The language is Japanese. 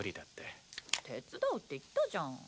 手伝うって言ったじゃん。